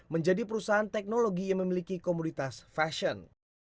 menjadi perusahaan teknologi yang memiliki komoditas fashion